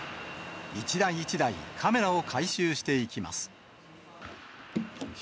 一台一台、カメラを回収していきます。